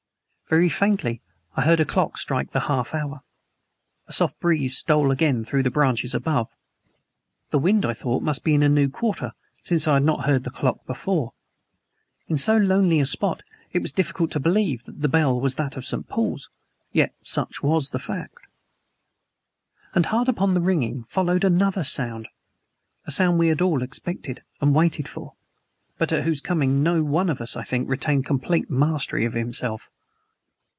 Very faintly I heard a clock strike the half hour. A soft breeze stole again through the branches above. The wind I thought must be in a new quarter since I had not heard the clock before. In so lonely a spot it was difficult to believe that the bell was that of St. Paul's. Yet such was the fact. And hard upon the ringing followed another sound a sound we all had expected, had waited for; but at whose coming no one of us, I think, retained complete mastery of himself.